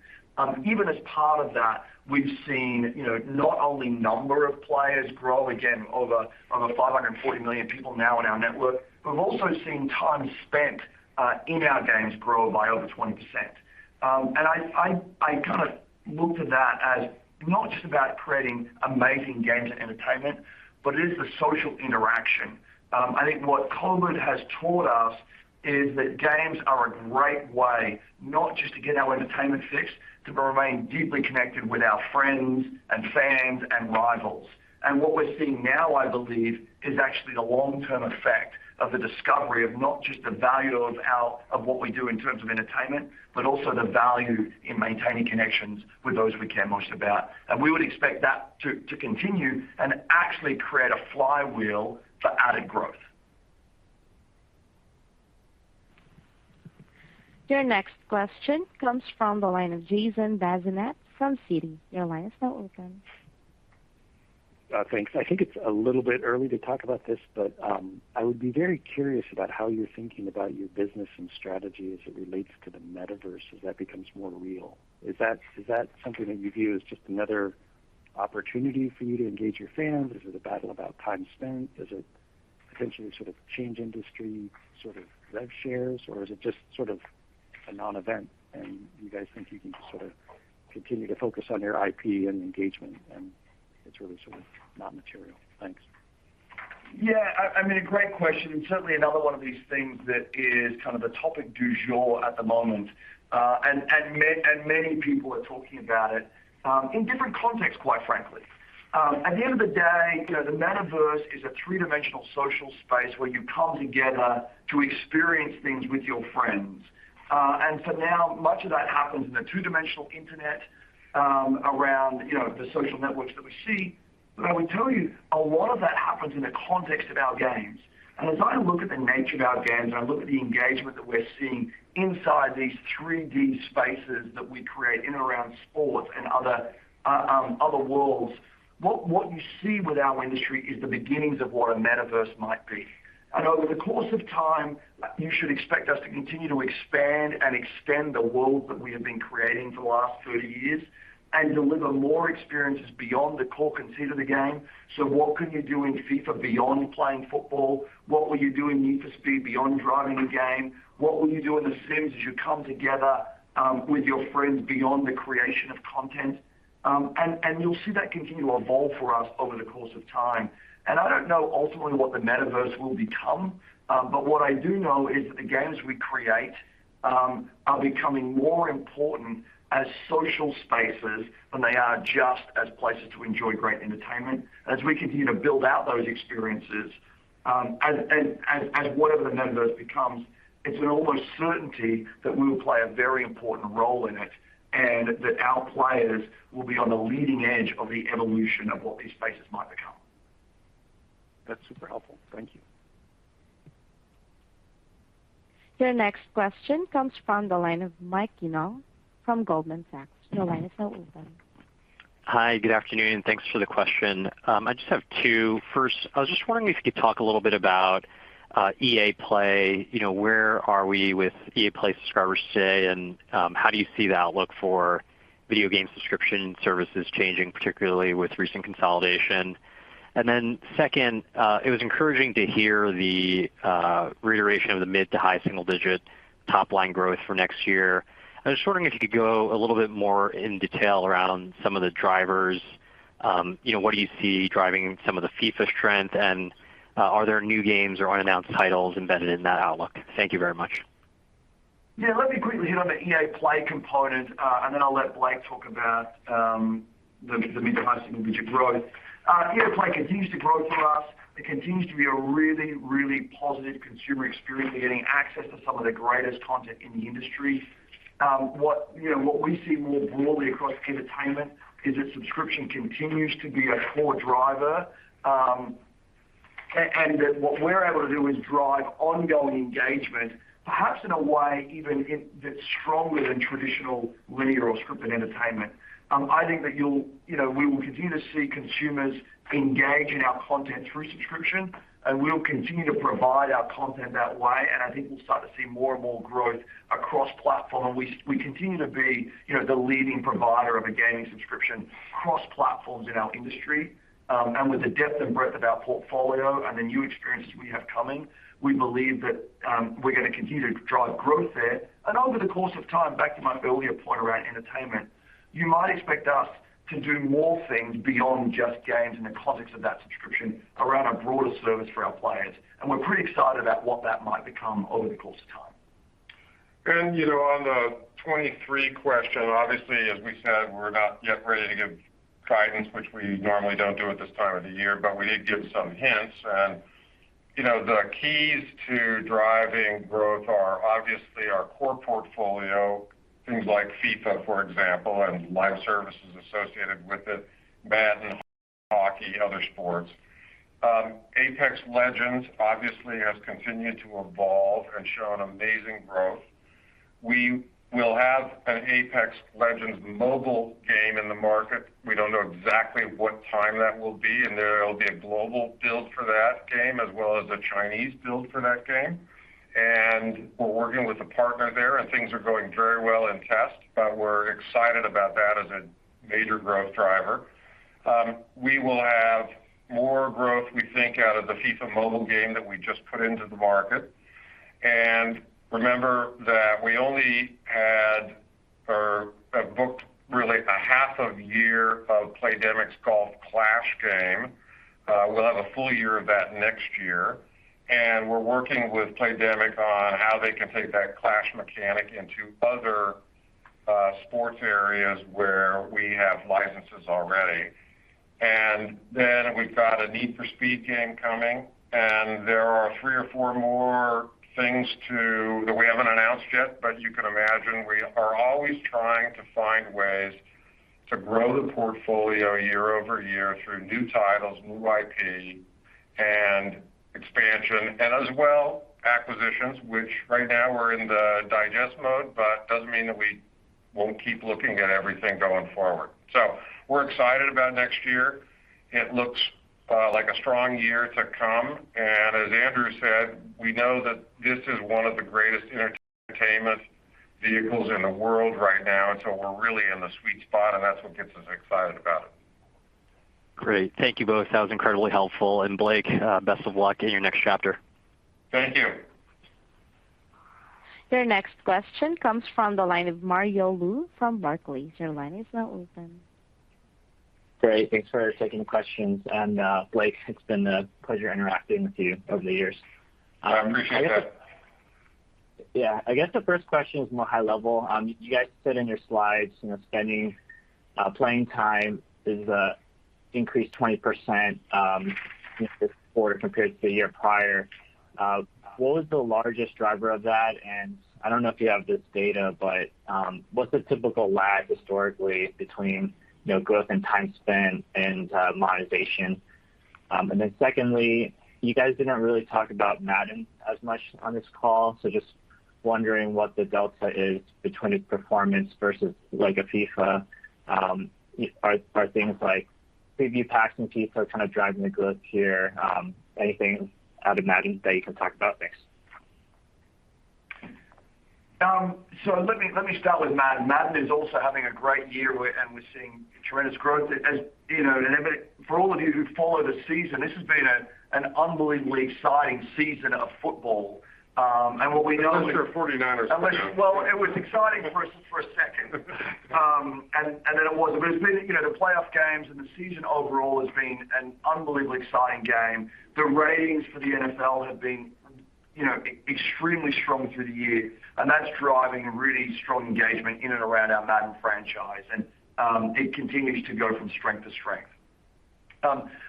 Even as part of that, we've seen, you know, not only number of players grow again over 540 million people now on our network. We've also seen time spent in our games grow by over 20%. I kind of look to that as not just about creating amazing games and entertainment, but it is the social interaction. I think what COVID has taught us is that games are a great way not just to get our entertainment fix, to remain deeply connected with our friends and fans and rivals. What we're seeing now, I believe, is actually the long term effect of the discovery of not just the value of what we do in terms of entertainment, but also the value in maintaining connections with those we care most about. We would expect that to continue and actually create a flywheel for added growth. Your next question comes from the line of Jason Bazinet from Citi. Your line is now open. Thanks. I think it's a little bit early to talk about this, but I would be very curious about how you're thinking about your business and strategy as it relates to the Metaverse as that becomes more real. Is that something that you view as just another opportunity for you to engage your fans? Is it a battle about time spent? Is it potentially sort of change industry sort of rev shares, or is it just sort of a non-event, and you guys think you can just sort of continue to focus on your IP and engagement, and it's really sort of not material? Thanks. I mean, a great question, and certainly another one of these things that is kind of the topic du jour at the moment. And many people are talking about it in different contexts, quite frankly. At the end of the day, you know, the Metaverse is a three-dimensional social space where you come together to experience things with your friends. For now, much of that happens in a two-dimensional internet around, you know, the social networks that we see. I would tell you, a lot of that happens in the context of our games. As I look at the nature of our games and I look at the engagement that we're seeing inside these 3D spaces that we create in and around sports and other worlds, what you see with our industry is the beginnings of what a Metaverse might be. Over the course of time, you should expect us to continue to expand and extend the world that we have been creating for the last 30 years and deliver more experiences beyond the core conceit of the game. What can you do in FIFA beyond playing football? What will you do in Need for Speed beyond driving the game? What will you do in The Sims as you come together with your friends beyond the creation of content? You'll see that continue to evolve for us over the course of time. I don't know ultimately what the Metaverse will become, but what I do know is that the games we create are becoming more important as social spaces than they are just as places to enjoy great entertainment. As we continue to build out those experiences, as whatever the Metaverse becomes, it's an almost certainty that we will play a very important role in it, and that our players will be on the leading edge of the evolution of what these spaces might become. That's super helpful. Thank you. Your next question comes from the line of Mike Ng from Goldman Sachs. Your line is now open. Hi. Good afternoon. Thanks for the question. I just have two. First, I was just wondering if you could talk a little bit about EA Play. You know, where are we with EA Play subscribers today, and how do you see the outlook for video game subscription services changing, particularly with recent consolidation? And then second, it was encouraging to hear the reiteration of the mid to high single digit top line growth for next year. I was wondering if you could go a little bit more in detail around some of the drivers. You know, what do you see driving some of the FIFA strength, and are there new games or unannounced titles embedded in that outlook? Thank you very much. Yeah. Let me quickly hit on the EA Play component, and then I'll let Blake talk about the mid- to high-single-digit growth. EA Play continues to grow for us. It continues to be a really positive consumer experience. They're getting access to some of the greatest content in the industry. What you know what we see more broadly across entertainment is that subscription continues to be a core driver, and that what we're able to do is drive ongoing engagement, perhaps in a way that's stronger than traditional linear or scripted entertainment. I think that you'll. You know, we will continue to see consumers engage in our content through subscription, and we'll continue to provide our content that way, and I think we'll start to see more and more growth across platform. We continue to be, you know, the leading provider of a gaming subscription across platforms in our industry. With the depth and breadth of our portfolio and the new experiences we have coming, we believe that, we're gonna continue to drive growth there. Over the course of time, back to my earlier point around entertainment, you might expect us to do more things beyond just games in the context of that subscription around a broader service for our players, and we're pretty excited about what that might become over the course of time. You know, on the 23 question, obviously, as we said, we're not yet ready to give guidance, which we normally don't do at this time of the year, but we did give some hints. You know, the keys to driving growth are obviously our core portfolio, things like FIFA, for example, and live services associated with it, Madden, hockey, other sports. Apex Legends obviously has continued to evolve and shown amazing growth. We will have an Apex Legends mobile game in the market. We don't know exactly what time that will be, and there will be a global build for that game as well as a Chinese build for that game. We're working with a partner there, and things are going very well in test, but we're excited about that as a major growth driver. We will have more growth, we think, out of the FIFA Mobile game that we just put into the market. Remember that we only had or have booked really half a year of Playdemic's Golf Clash game. We'll have a full year of that next year. We're working with Playdemic on how they can take that Clash mechanic into other sports areas where we have licenses already. Then we've got a Need for Speed game coming, and there are three or four more things that we haven't announced yet, but you can Always trying to find ways to grow the portfolio year-over-year through new titles, new IP and expansion, and as well, acquisitions, which right now we're in the digest mode, but doesn't mean that we won't keep looking at everything going forward. We're excited about next year. It looks like a strong year to come. As Andrew said, we know that this is one of the greatest entertainment vehicles in the world right now, and so we're really in the sweet spot, and that's what gets us excited about it. Great. Thank you both. That was incredibly helpful. Blake, best of luck in your next chapter. Thank you. Your next question comes from the line of Mario Lu from Barclays. Your line is now open. Great. Thanks for taking questions. Blake, it's been a pleasure interacting with you over the years. I appreciate that. Yeah. I guess the first question is more high-level. You guys said in your slides, you know, spending, playing time is increased 20% in this quarter compared to the year prior. What was the largest driver of that? I don't know if you have this data, but what's the typical lag historically between, you know, growth and time spent and monetization? Secondly, you guys didn't really talk about Madden as much on this call, so just wondering what the delta is between its performance versus like a FIFA. Are things like preview packs in FIFA kinda driving the growth here? Anything out of Madden that you can talk about? Thanks. Let me start with Madden. Madden is also having a great year and we're seeing tremendous growth. As you know, for all of you who follow the season, this has been an unbelievably exciting season of football. what we know- Unless you're 49ers fan. Well, it was exciting for a second. Then it wasn't. As many, you know, the playoff games and the season overall has been an unbelievably exciting game. The ratings for the NFL have been, you know, extremely strong through the year, and that's driving really strong engagement in and around our Madden franchise. It continues to go from strength to strength.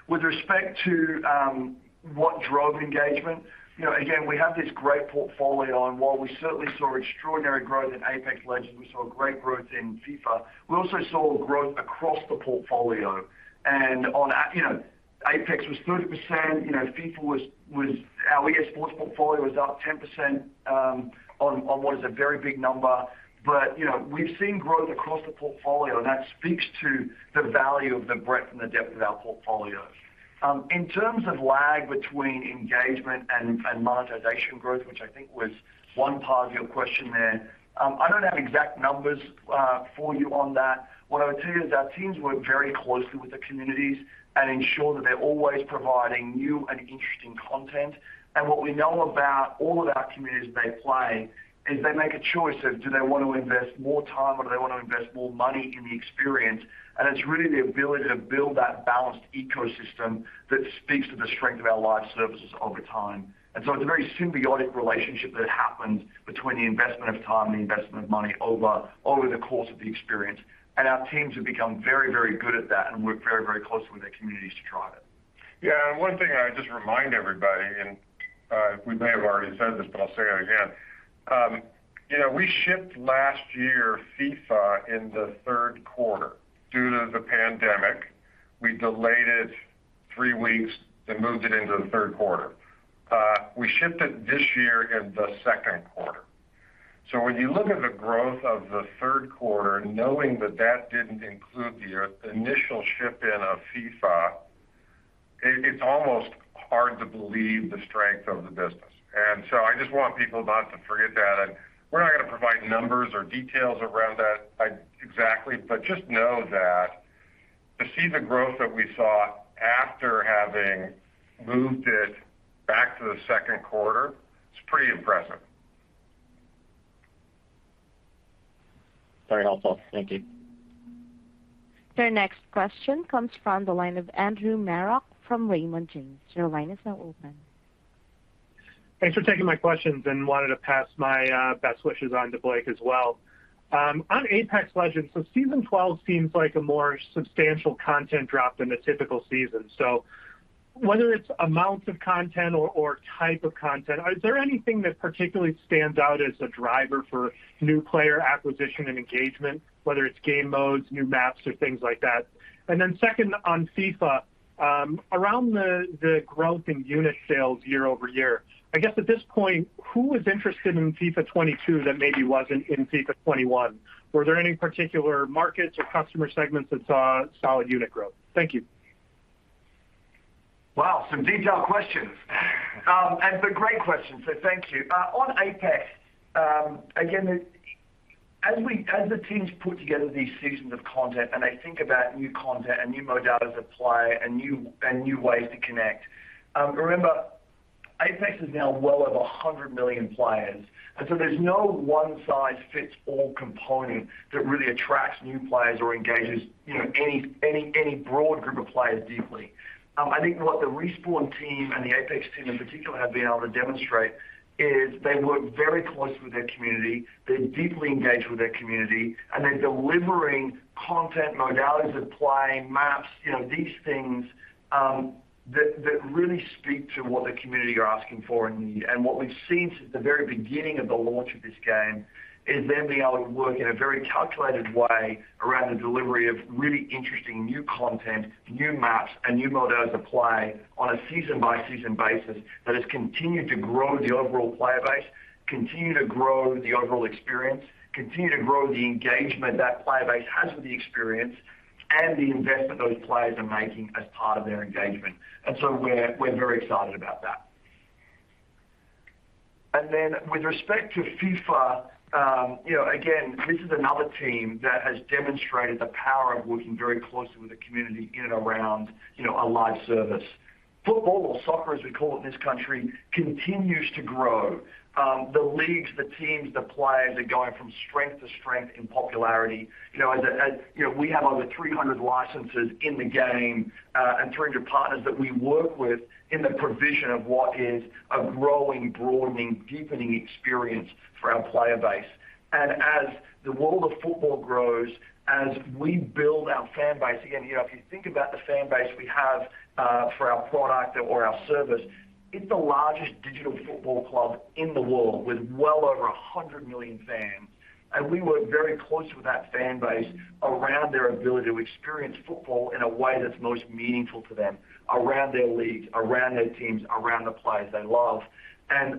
With respect to what drove engagement, you know, again, we have this great portfolio, and while we certainly saw extraordinary growth in Apex Legends, we saw great growth in FIFA, we also saw growth across the portfolio. On Apex, you know, Apex was 30%, you know, FIFA was our EA Sports portfolio was up 10%, on what is a very big number. You know, we've seen growth across the portfolio, and that speaks to the value of the breadth and the depth of our portfolio. In terms of lag between engagement and monetization growth, which I think was one part of your question there, I don't have exact numbers for you on that. What I would say is our teams work very closely with the communities and ensure that they're always providing new and interesting content. What we know about all of our communities that play is they make a choice of do they want to invest more time or do they want to invest more money in the experience. It's really the ability to build that balanced ecosystem that speaks to the strength of our live services over time. It's a very symbiotic relationship that happens between the investment of time and the investment of money over the course of the experience. Our teams have become very, very good at that and work very, very closely with their communities to drive it. Yeah. One thing I just remind everybody, and we may have already said this, but I'll say it again. You know, we shipped last year FIFA in the third quarter. Due to the pandemic, we delayed it three weeks and moved it into the third quarter. We shipped it this year in the second quarter. When you look at the growth of the third quarter, knowing that that didn't include the initial shipment of FIFA, it's almost hard to believe the strength of the business. I just want people not to forget that. We're not gonna provide numbers or details around that exactly, but just know that to see the growth that we saw after having moved it back to the second quarter, it's pretty impressive. Very helpful. Thank you. Your next question comes from the line of Andrew Marok from Raymond James. Your line is now open. Thanks for taking my questions, and wanted to pass my best wishes on to Blake as well. On Apex Legends, season 12 seems like a more substantial content drop than a typical season. Whether it's amounts of content or type of content, is there anything that particularly stands out as a driver for new player acquisition and engagement, whether it's game modes, new maps or things like that? Second, on FIFA, around the growth in unit sales year-over-year, I guess at this point, who is interested in FIFA 22 that maybe wasn't in FIFA 21? Were there any particular markets or customer segments that saw solid unit growth? Thank you. Wow, some detailed questions. Great questions, so thank you. On Apex, again, as the teams put together these seasons of content and they think about new content and new modalities of play and new ways to connect, remember, Apex is now well over 100 million players. There's no one size fits all component that really attracts new players or engages, you know, any broad group of players deeply. I think what the Respawn team and the Apex team in particular have been able to demonstrate is they work very closely with their community, they're deeply engaged with their community, and they're delivering content modalities of play, maps, you know, these things, that really speak to what the community are asking for and need. What we've seen since the very beginning of the launch of this game is them being able to work in a very calculated way around the delivery of really interesting new content, new maps, and new modalities of play on a season-by-season basis that has continued to grow the overall player base, continue to grow the overall experience, continue to grow the engagement that player base has with the experience and the investment those players are making as part of their engagement. We're very excited about that. With respect to FIFA, you know, again, this is another team that has demonstrated the power of working very closely with the community in and around, you know, a live service. Football, or soccer as we call it in this country, continues to grow. The leagues, the teams, the players are going from strength to strength in popularity. You know, we have over 300 licenses in the game, and 300 partners that we work with in the provision of what is a growing, broadening, deepening experience for our player base. As the world of football grows, as we build our fan base, again, you know, if you think about the fan base we have, for our product or our service, it's the largest digital football club in the world with well over 100 million fans. We work very closely with that fan base around their ability to experience football in a way that's most meaningful to them around their leagues, around their teams, around the players they love.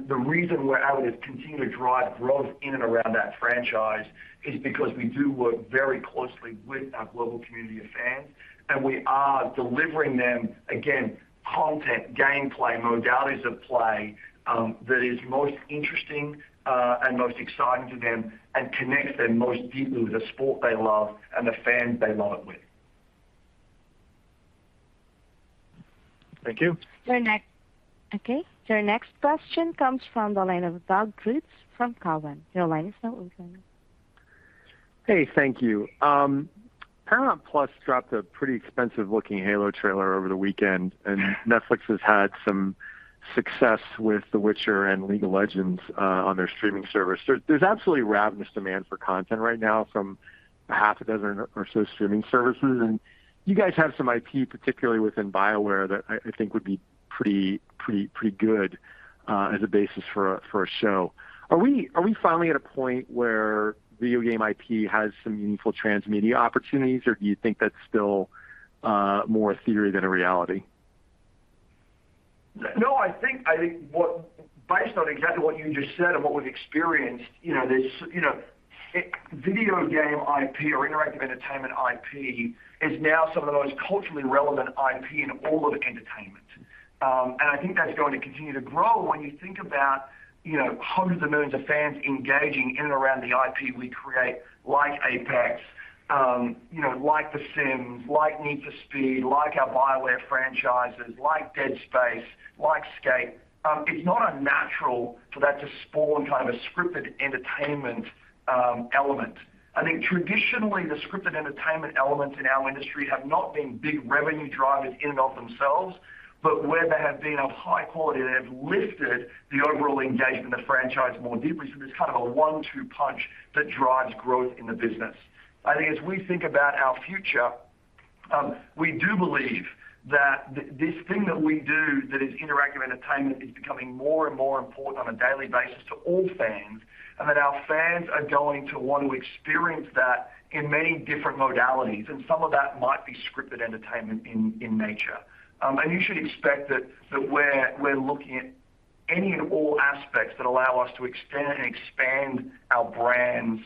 The reason we're able to continue to drive growth in and around that franchise is because we do work very closely with our global community of fans, and we are delivering them, again, content, gameplay, modalities of play, that is most interesting, and most exciting to them and connects them most deeply with the sport they love and the fans they love it with. Thank you. Okay, your next question comes from the line of Doug Creutz from Cowen. Your line is now open. Hey, thank you. Paramount+ dropped a pretty expensive looking Halo trailer over the weekend, and Netflix has had some success with The Witcher and League of Legends on their streaming service. There's absolutely ravenous demand for content right now from half a dozen or so streaming services. You guys have some IP, particularly within BioWare, that I think would be pretty good as a basis for a show. Are we finally at a point where video game IP has some meaningful transmedia opportunities, or do you think that's still more a theory than a reality? No, I think based on exactly what you just said and what we've experienced, you know, there's you know, video game IP or interactive entertainment IP is now some of the most culturally relevant IP in all of entertainment. I think that's going to continue to grow when you think about, you know, hundreds of millions of fans engaging in and around the IP we create, like Apex, you know, like The Sims, like Need for Speed, like our BioWare franchises, like Dead Space, like Skate. It's not unnatural for that to spawn kind of a scripted entertainment element. I think traditionally, the scripted entertainment elements in our industry have not been big revenue drivers in and of themselves, but where they have been of high quality, they have lifted the overall engagement of the franchise more deeply. There's kind of a one-two punch that drives growth in the business. I think as we think about our future, we do believe that this thing that we do that is interactive entertainment is becoming more and more important on a daily basis to all fans, and that our fans are going to want to experience that in many different modalities, and some of that might be scripted entertainment in nature. You should expect that we're looking at any and all aspects that allow us to extend and expand our brands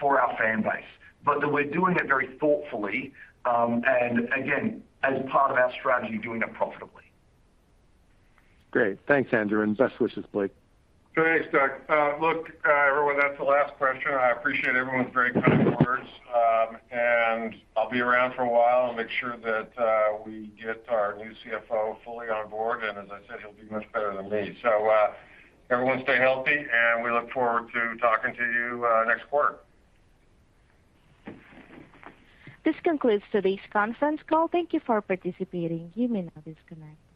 for our fan base, but that we're doing it very thoughtfully, and again, as part of our strategy, doing it profitably. Great. Thanks, Andrew, and best wishes, Blake. Great, Doug. Everyone, that's the last question. I appreciate everyone's very kind words. I'll be around for a while. I'll make sure that we get our new CFO fully on board. As I said, he'll do much better than me. Everyone stay healthy, and we look forward to talking to you next quarter. This concludes today's conference call. Thank you for participating. You may now disconnect.